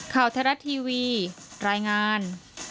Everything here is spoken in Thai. ข่าวไทยรัฐทีวีรายงาน